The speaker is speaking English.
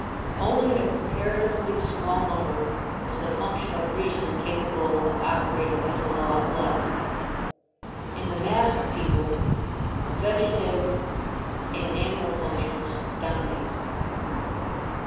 Only in a comparatively small number is the function of reason capable of operating as a law of life. In the mass of people, vegetative and animal functions dominate.